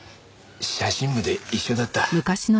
写真部で一緒だった。